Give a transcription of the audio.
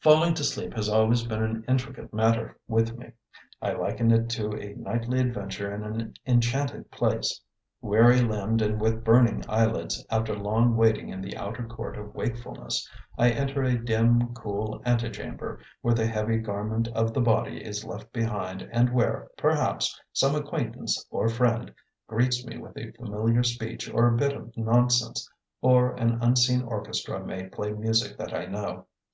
Falling to sleep has always been an intricate matter with me: I liken it to a nightly adventure in an enchanted palace. Weary limbed and with burning eyelids, after long waiting in the outer court of wakefulness, I enter a dim, cool antechamber where the heavy garment of the body is left behind and where, perhaps, some acquaintance or friend greets me with a familiar speech or a bit of nonsense or an unseen orchestra may play music that I know.